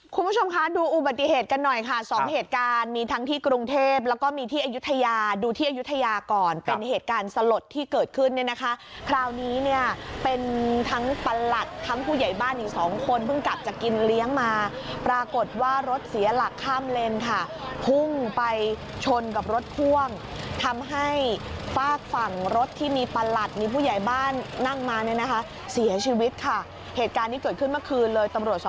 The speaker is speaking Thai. คุณผู้ชมคะดูอุบัติเหตุกันหน่อยค่ะสองเหตุการณ์มีทั้งที่กรุงเทพแล้วก็มีที่อายุทยาดูที่อายุทยาก่อนเป็นเหตุการณ์สลดที่เกิดขึ้นเนี่ยนะคะคราวนี้เนี่ยเป็นทั้งปรัสลัดทั้งผู้ใหญ่บ้านอีกสองคนเพิ่งกับจะกินเลี้ยงมาปรากฏว่ารถเสียหลักข้ามเล็นค่ะพุ่งไปชนกับรถพ่วงทำให้ฝากฝั่งรถที่มีปรั